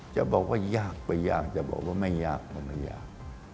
จะบอกว่ายากไม่ยากจะบอกว่าไม่ยากก็ไม่ยาก